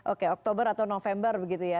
oke oktober atau november begitu ya